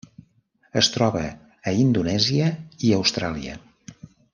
Es troba a Indonèsia i Austràlia.